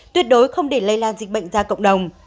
tuyệt đối không để lây lan dịch bệnh ra cộng đồng